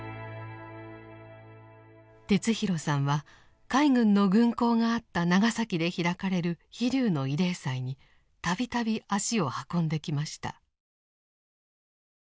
哲弘さんは海軍の軍港があった長崎で開かれる「飛龍」の慰霊祭に度々足を運んできました。